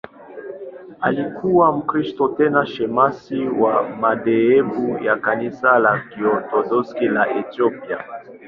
Alikuwa Mkristo, tena shemasi wa madhehebu ya Kanisa la Kiorthodoksi la Ethiopia.